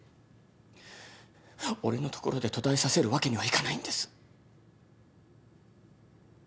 俺のところで途絶えさせるわけにはいかないんです。